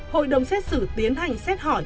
hội đồng xét xử tiến hành xét hỏi